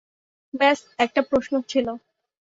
ব্যস একটা প্রশ্ন ছিল।